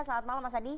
selamat malam mas adi